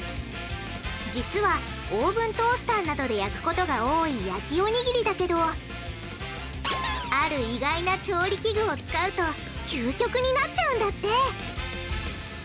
実はオーブントースターなどで焼くことが多い焼きおにぎりだけどある意外な調理器具を使うと究極になっちゃうんだって。